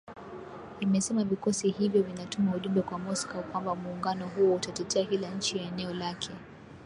imesema vikosi hivyo vinatuma ujumbe kwa Moscow kwamba muungano huo utatetea kila nchi ya eneo lake